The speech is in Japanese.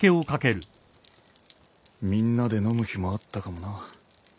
みんなで飲む日もあったかもな。